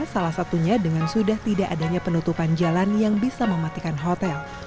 salah satunya dengan sudah tidak adanya penutupan jalan yang bisa mematikan hotel